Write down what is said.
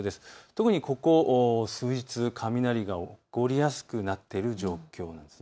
特にここ数日、雷が起こりやすくなっている状況です。